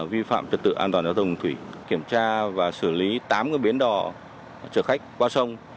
vi phạm trật tự an toàn giao thông thủy kiểm tra và xử lý tám bến đò chở khách qua sông